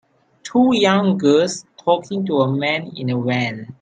Two young girls talking to a man in a van.